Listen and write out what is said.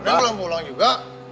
neng belum pulang juga